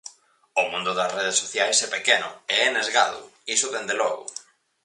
O mundo das redes sociais é pequeno e é nesgado, iso dende logo.